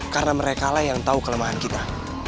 karena mereka lah yang tau kelemahan kita